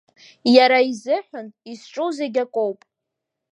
Иара изыҳәан изҿу зегь акоуп?